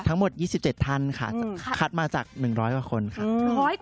ทั้งหมด๒๗ท่านค่ะคัดมาจาก๑๐๐กว่าคนค่ะ